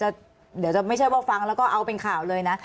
แล้วเดี๋ยวจะไม่ใช่ว่าฟังแล้วก็เอาเป็นข่าวเลยนะ